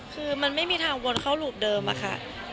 คือมันไม่มีทางวนเข้ารูปเดิมอะค่ะ